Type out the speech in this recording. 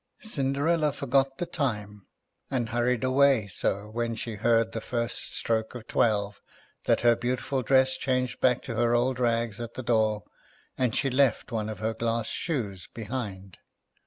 Cinderella forgot the time, and hurried away so when she heard the first stroke of twelve, that her beautiful dress changed back to her old rags at the door, and she left one of her glass shoes behind.